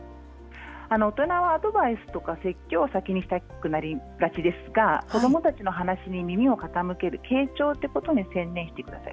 大人はアドバイスとか説教を先にしたくなりがちですが子どもたちの話に耳を傾ける傾聴に専念してください。